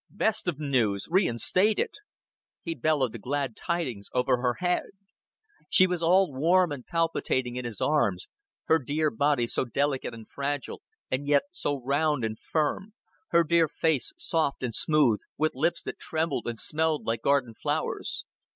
"Best of news! Reinstated!" He bellowed the glad tidings over her head. She was all warm and palpitating in his arms, her dear body so delicate and fragile and yet so round and firm, her dear face soft and smooth, with lips that trembled and smelled like garden flowers.